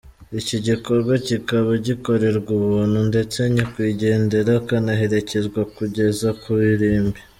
Iki gikorwa kikaba gikorerwa ubuntu, ndetse nyakwigendera akanaherekezwa kugeza ku irimbi.